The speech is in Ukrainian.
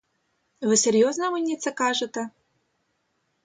Ви серйозно мені це кажете?